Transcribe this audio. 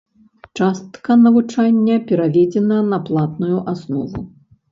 Частка навучання пераведзена на платную аснову.